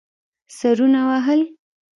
سرونه وهل.